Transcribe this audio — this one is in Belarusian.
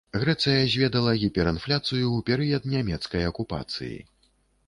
Грэцыя зведала гіперінфляцыю ў перыяд нямецкай акупацыі.